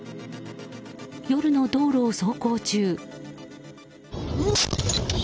夜の道路を走行中。